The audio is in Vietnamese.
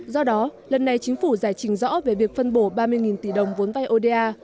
do đó lần này chính phủ giải trình rõ về việc phân bổ ba mươi tỷ đồng vốn vai oda